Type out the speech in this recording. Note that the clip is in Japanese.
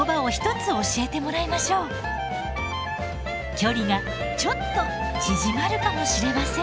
距離がちょっと縮まるかもしれません。